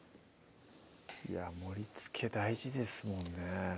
盛りつけ大事ですもんね